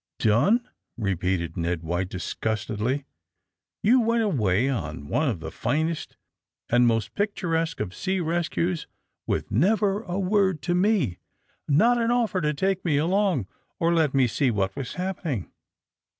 Done?" repeated Ned White disgustedly. ''You went away on one of the finest and most picturesque of sea rescues, with never a word to me — not an offer to take me along and let me see what was happening."